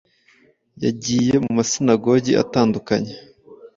Yagiye mu masinagogi atandukanye